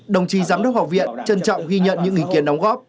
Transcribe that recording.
đồng chí giám đốc học viện trân trọng ghi nhận những ý kiến đóng góp